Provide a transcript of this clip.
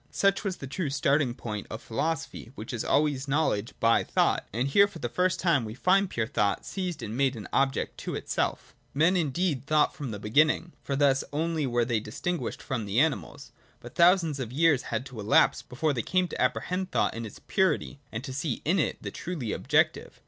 Such wa the true starting point of philosophy, which is always know ledge by thought : and here for the first time we find pur thought seized and made an object to itself. Men indeed thought from the beginning : (for thus on! were they distinguished from the animals). But thousand of years had to elapse before they came to apprehend though in its purity, and to see in it the truly objective.